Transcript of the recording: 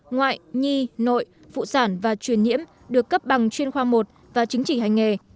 ngoại nhi nội phụ sản và truyền nhiễm được cấp bằng chuyên khoa một và chính trị hành nghề